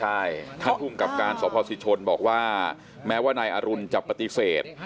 ใช่ท่านภูมิกับการสพศิชนบอกว่าแม้ว่านายอรุณจะปฏิเสธ